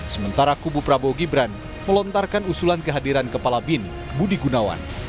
sementara kubu prabowo gibran melontarkan usulan kehadiran kepala bin budi gunawan